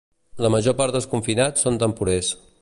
La major part dels confinats són temporers.